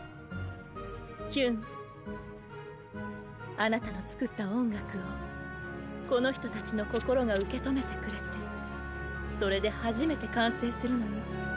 あなたの作った音楽をこの人たちの心が受け止めてくれてそれで初めて完成するのよ。